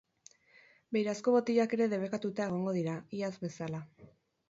Beirazko botillak ere debekatuta egongo dira, iaz bezala.